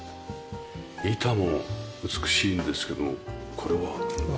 板も美しいんですけどこれは？